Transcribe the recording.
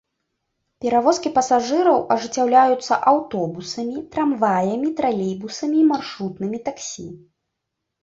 Перавозкі пасажыраў ажыццяўляюцца аўтобусамі, трамваямі, тралейбусамі і маршрутнымі таксі.